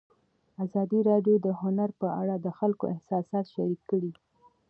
ازادي راډیو د هنر په اړه د خلکو احساسات شریک کړي.